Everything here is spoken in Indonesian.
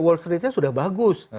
wall street nya sudah bagus